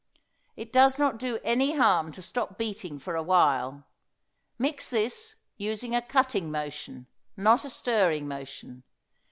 It does not do any harm to stop beating for awhile. Mix this, using a cutting motion, not a stirring motion.